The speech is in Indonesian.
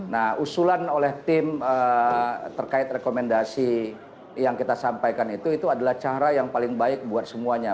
nah usulan oleh tim terkait rekomendasi yang kita sampaikan itu itu adalah cara yang paling baik buat semuanya